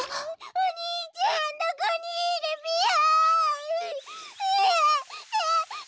おにいちゃんどこにいるぴよ。